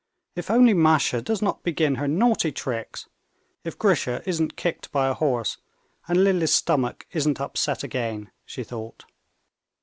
"If only Masha does not begin her naughty tricks, if Grisha isn't kicked by a horse, and Lily's stomach isn't upset again!" she thought.